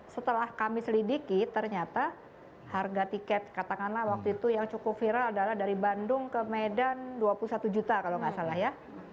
setelah kami selidiki ternyata harga tiket katakanlah waktu itu yang cukup viral adalah dari bandung ke medan dua puluh satu juta kalau nggak salah ya